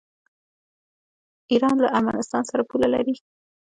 ایران له ارمنستان سره پوله لري.